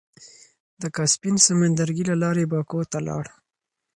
د کاسپين سمندرګي له لارې باکو ته لاړ.